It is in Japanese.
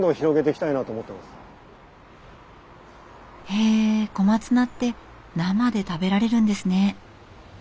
へえ小松菜って生で食べられるんですね。